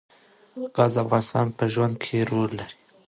ګاز د افغان ښځو په ژوند کې رول لري.